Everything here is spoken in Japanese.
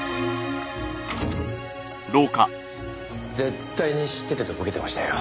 絶対に知っててとぼけてましたよ